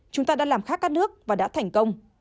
chúng ta đã làm khác các nước và đã thành công